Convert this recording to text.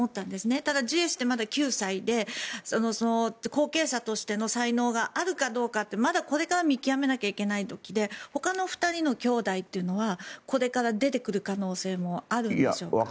ただ、ジュエ氏ってまだ９歳で後継者としての才能があるかどうかってまだこれから見極めなきゃいけない時でほかの２人のきょうだいというのはこれから出てくる可能性もあるんでしょうか。